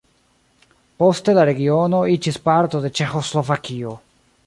Poste la regiono iĝis parto de Ĉeĥoslovakio.